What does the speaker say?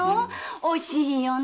惜しいよね